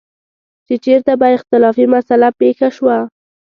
چې چېرته به اختلافي مسله پېښه شوه.